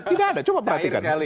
tidak ada coba perhatikan